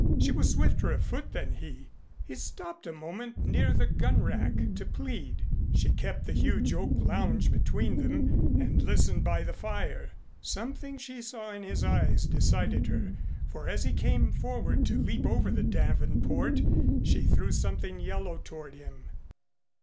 She was swifter of foot than he. He stopped a moment near the gun rack to plead. She kept the huge oak lounge between them and listened by the fire. Something she saw in his eyes decided her, for as he came forward to leap over the davenport she threw something yellow toward him.